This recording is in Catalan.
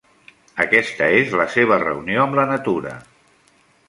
Aquesta és la seva reunió amb la natura.